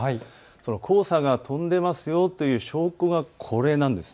その黄砂が飛んでますよという証拠がこれなんです。